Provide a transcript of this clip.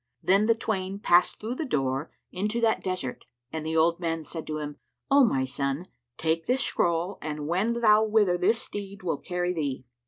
Then the twain passed through the door into that desert and the old man said to him, "O my son, take this scroll and wend thou whither this steed will carry thee.